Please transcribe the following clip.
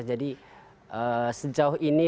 jadi sejauh ini